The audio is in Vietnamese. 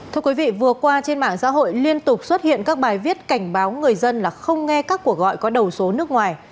thưa quý vị vừa qua trên mạng xã hội liên tục xuất hiện các bài viết cảnh báo người dân là không nghe các cuộc gọi có đầu số nước ngoài